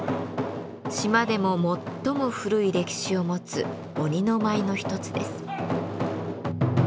島でも最も古い歴史を持つ鬼の舞の一つです。